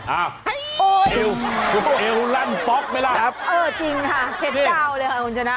อ่ะให้โอนเอวเอวลั่นป๊อกไหมล่ะครับเออจริงค่ะเห็นยาวเลยค่ะคุณชนะ